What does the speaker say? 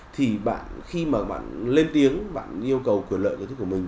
thì khi mà bạn lên tiếng bạn yêu cầu quyền lợi của mình